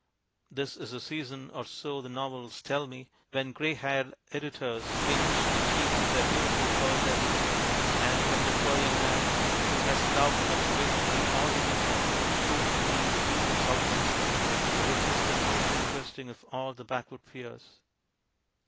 This is the season, or so the novels tell me, when grey haired editors pinch the cheeks of their beautiful poetesses, and when the poor young man, who has loved us faithfully all the winter, proves to be the Duke of Southminster, the richest and most interesting of all the backwood peers.